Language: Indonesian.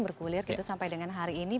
bergulir gitu sampai dengan hari ini